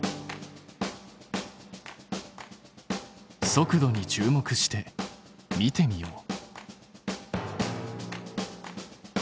速度に注目して見てみよう。